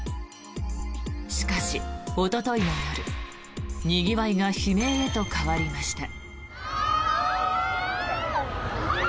しかし、おとといの夜にぎわいが悲鳴へと変わりました。